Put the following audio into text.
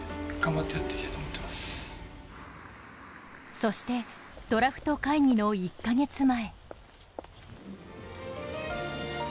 そして、ドラフト会議の１カ月前。